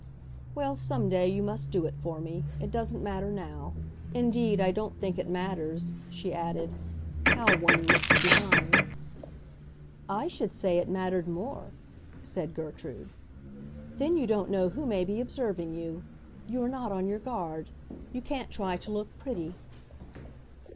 "Well, some day you must do it for me. It doesn't matter now. Indeed, I don't think it matters," she added, "how one looks behind." "I should say it mattered more," said Gertrude. "Then you don't know who may be observing you. You are not on your guard. You can't try to look pretty."